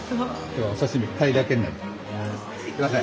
今日はお刺身鯛だけになります。